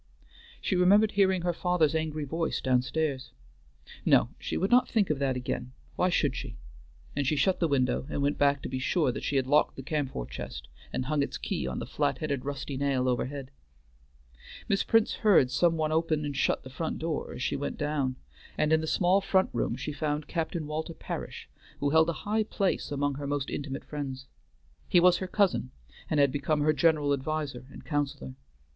She remembered hearing her father's angry voice down stairs. No! she would not think of that again, why should she? and she shut the window and went back to be sure that she had locked the camphor chest, and hung its key on the flat headed rusty nail overhead. Miss Prince heard some one open and shut the front door as she went down, and in the small front room she found Captain Walter Parish, who held a high place among her most intimate friends. He was her cousin, and had become her general adviser and counselor.